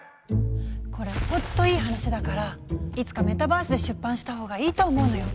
これほんといい話だからいつかメタバースで出版した方がいいと思うのよ。